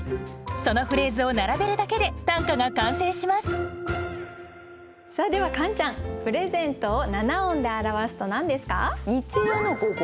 そのフレーズを並べるだけで短歌が完成しますさあではカンちゃん「プレゼント」を七音で表すと何ですか？